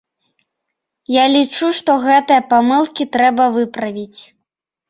Я лічу, што гэтыя памылкі трэба выправіць.